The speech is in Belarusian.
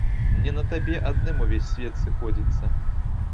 Не на табе адным увесь свет сыходзіцца.